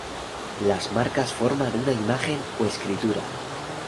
Las marcas forman una imagen o escritura.